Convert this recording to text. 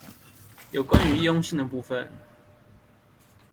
有關於易用性的部分